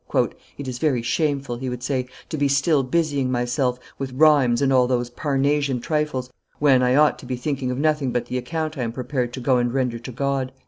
"It is very shameful," he would say, "to be still busying myself, with rhymes and all those Parnassian trifles, when, I ought to be thinking of nothing but the account I am prepared to go and render to God."